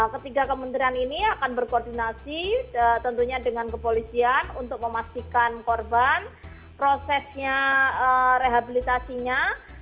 ketiga kementerian ini akan berkoordinasi tentunya dengan kepolisian untuk memastikan korban prosesnya rehabilitasinya